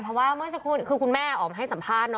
เพราะว่าเมื่อสักครู่คือคุณแม่ออกมาให้สัมภาษณ์